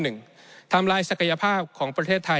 ในช่วงที่สุดในรอบ๑๖ปี